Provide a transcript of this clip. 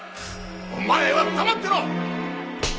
お前は黙ってろ！